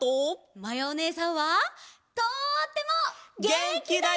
まやおねえさんはとっても。げんきだよ！